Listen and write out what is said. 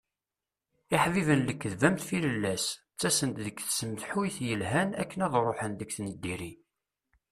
Iḥbiben n lekdeb am tfirellas. Ttasen-d deg tsemhuyt yelhan akken ad ruḥen deg n diri.